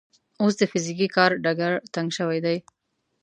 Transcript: اوس د فزیکي کار ډګر تنګ شوی دی.